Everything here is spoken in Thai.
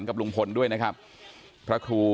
แล้วอันนี้ก็เปิดแล้ว